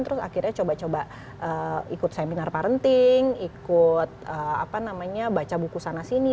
terus akhirnya coba coba ikut seminar parenting ikut baca buku sana sini